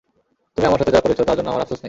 তুমি আমার সাথে যা করেছ তার জন্য আমার আফসোস নেই!